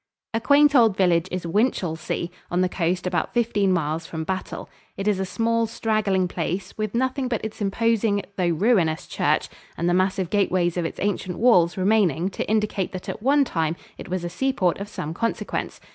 A quaint old village is Winchelsea, on the coast about fifteen miles from Battle. It is a small, straggling place, with nothing but its imposing though ruinous church and the massive gateways of its ancient walls remaining to indicate that at one time it was a seaport of some consequence.